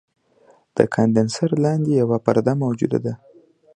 د کاندنسر لاندې یوه پرده موجوده ده.